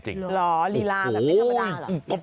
แถวนี้อยู่